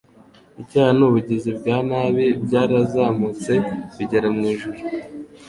Icyaha n’ubugizi bwa nabi byarazamutse bigera mu ijuru